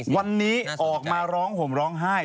วันนี้ออกมาร้องห่มร้องไห้